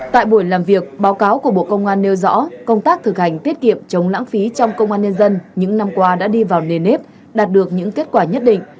tại buổi làm việc báo cáo của bộ công an nêu rõ công tác thực hành tiết kiệm chống lãng phí trong công an nhân dân những năm qua đã đi vào nền nếp đạt được những kết quả nhất định